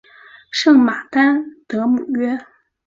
圣马丹德姆约。